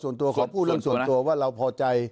ขอพูดเรื่องส่วนตัวว่าเราพอใจ